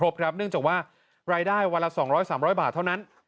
แต่ว่ารายได้วันละ๒๐๐๓๐๐บาทเท่านั้น